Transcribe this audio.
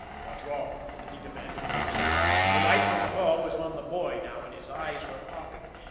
"What's wrong?" he demanded tersely. The light from the hall was on the boy now and his eyes were popping.